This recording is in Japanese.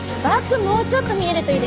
もうちょっと見えるといいですね。